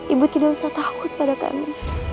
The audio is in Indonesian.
ibu tidak usah takut pada kami